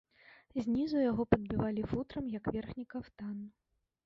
Знізу яго падбівалі футрам як верхні кафтан.